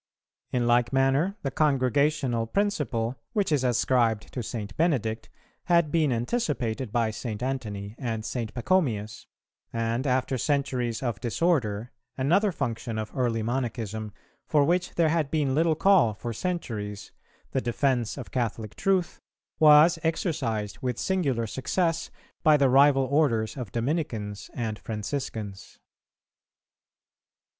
In like manner the Congregational principle, which is ascribed to St. Benedict, had been anticipated by St. Antony and St. Pachomius; and after centuries of disorder, another function of early Monachism, for which there had been little call for centuries, the defence of Catholic truth, was exercised with singular success by the rival orders of Dominicans and Franciscans.